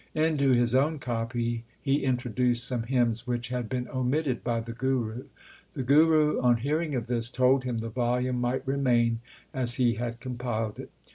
Into his own copy he intro duced some hymns which had been omitted by the Guru. The Guru, on hearing of this, told him the volume might remain as he had compiled it.